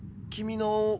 君の。